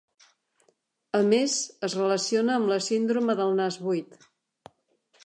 A més, es relaciona amb la síndrome del nas buit.